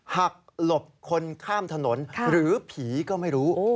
หลบคนข้ามถนนหรือผีก็ไม่รู้